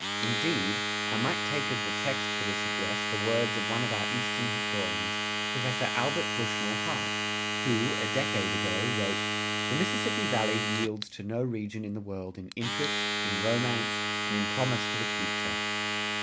Indeed, I might take as the text for this address the words of one of our Eastern historians, Professor Albert Bushnell Hart, who, a decade ago, wrote: The Mississippi Valley yields to no region in the world in interest, in romance, and in promise for the future.